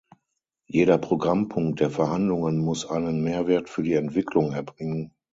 Jeder Programmpunkt der Verhandlungen muss einen Mehrwert für die Entwicklung erbringen.